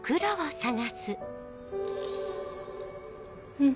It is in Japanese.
うん。